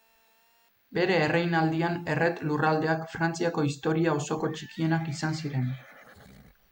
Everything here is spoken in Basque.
Bere erreinaldian erret-lurraldeak Frantziako historia osoko txikienak izan ziren.